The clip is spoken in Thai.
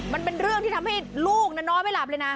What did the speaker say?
มันเป็นเรื่องที่ทำให้ลูกนั้นนอนไม่หลับเลยนะ